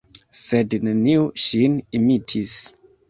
Sed neniu ŝin imitis.